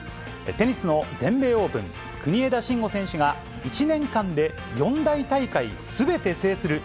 テニスの全米オープン、国枝慎吾選手が、１年間で四大大会すべて制する、